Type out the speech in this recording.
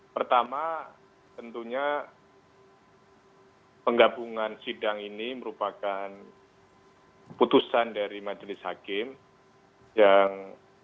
pertama tentunya penggabungan sidang ini merupakan putusan dari majelis hakim yang